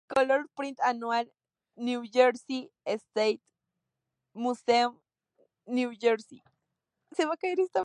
Color Print Annual, New Jersey State Museum, New Jersey.